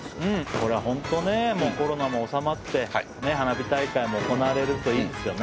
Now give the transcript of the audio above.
これはホントねコロナもおさまって花火大会も行われるといいですよね。